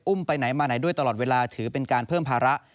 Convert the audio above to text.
ไปไหนมาไหนด้วยตลอดเวลาถือเป็นการเพิ่มภาระ